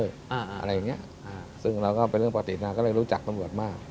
ถ้างั้นเป็นเรื่องปกติแล้วรู้จักตำรวจมาก